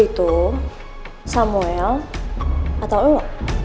itu samuel atau lo